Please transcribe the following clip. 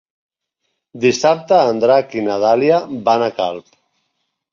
Dissabte en Drac i na Dàlia van a Calp.